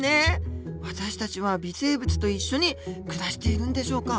私たちは微生物と一緒に暮らしているんでしょうか？